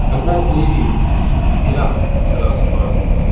I won't leave you." "Get up," said Ossipon.